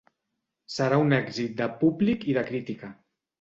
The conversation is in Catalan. Serà un èxit de públic i de crítica.